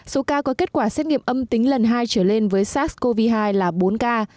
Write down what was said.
số ca có kết quả xét nghiệm âm tính lần hai trở lên với sars cov hai là bốn ca